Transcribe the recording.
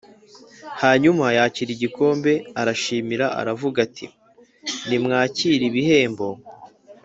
Hanyuma yakira igikombe arashimira aravuga ati nimwakire ibihembo